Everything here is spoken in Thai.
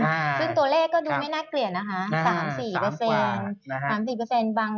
ซึ่งตัวเลขก็ดูไม่น่าเกลียดนะคะ๓๔